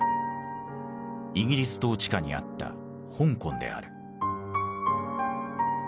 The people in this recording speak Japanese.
イギリス統治下にあった香港である。